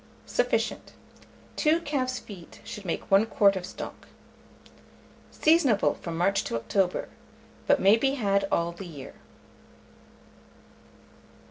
Sufficient. 2 calf's feet should make 1 quart of stock. Seasonable from March to October, but may be had all the year.